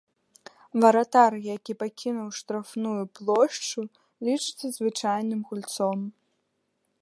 Варатар, які пакінуў штрафную плошчу, лічыцца звычайным гульцом.